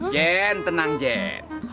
jen tenang jen